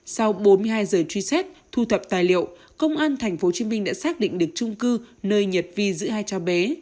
sau bốn mươi hai giờ truy xét thu thập tài liệu công an tp hcm đã xác định được trung cư nơi nhật vi giữ hai cháu bé